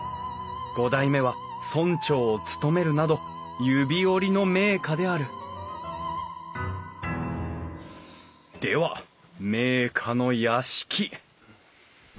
五代目は村長を務めるなど指折りの名家であるでは名家の屋敷。